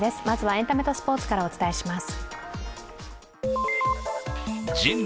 エンタメとスポーツからお伝えします。